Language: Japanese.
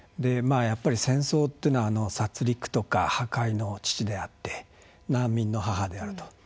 やっぱり戦争っていうのは殺りくとか破壊の父であって難民の母であると。